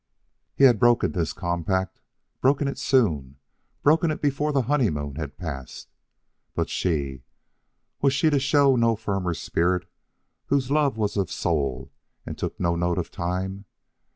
He had broken this compact broken it soon broken it before the honeymoon had passed. But she! Was she to show no firmer spirit whose love was of the soul and took no note of time?